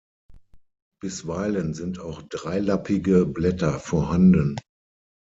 Bisweilen sind auch dreilappige Blätter vorhanden.